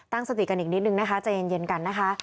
สติกันอีกนิดนึงนะคะใจเย็นกันนะคะ